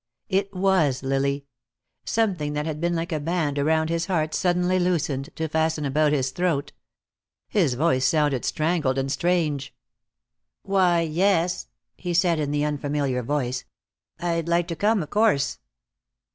It was Lily. Something that had been like a band around his heart suddenly loosened, to fasten about his throat. His voice sounded strangled and strange. "Why, yes," he said, in the unfamiliar voice. "I'd like to come, of course."